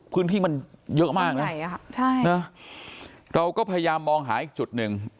พื้นที่มันเยอะมากนะเราก็พยายามมองหาอีกจุดหนึ่ง